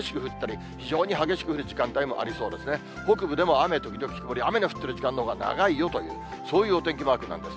雨が降ってる時間のほうが長いよという、そういうお天気マークなんです。